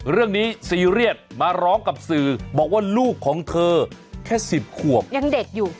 ซีเรียสมาร้องกับสื่อบอกว่าลูกของเธอแค่๑๐ขวบยังเด็กอยู่